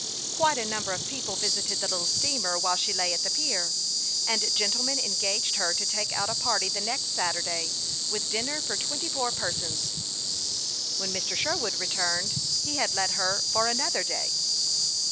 Quite a number of people visited the little steamer while she lay at the pier ; and a gentleman engaged her to take out a party the next Saturday, with dinner for twenty four persons. When Mr. Sherwood returned, he had let her for another day.